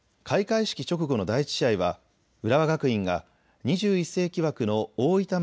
開会式直後の第１試合は浦和学院が２１世紀枠の大分